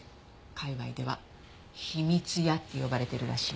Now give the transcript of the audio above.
界隈では「秘密屋」って呼ばれてるらしい。